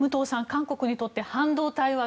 韓国にとって半導体は